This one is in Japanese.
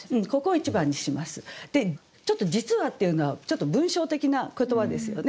で「実は」っていうのはちょっと文章的な言葉ですよね。